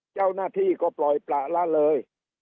เจ้าหน้าที่ก็ปล่อยประละเลย